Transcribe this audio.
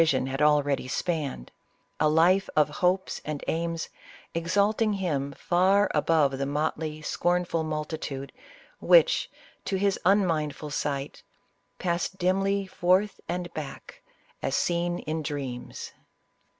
i<m had already spanned — a life of hopes and aims exalting him far above the motley, scornful multitude, which, to his unmindful sight, " Paned dimly forth and back, as teen in dreams."